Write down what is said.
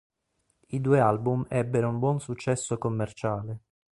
I due album ebbero un buon successo commerciale.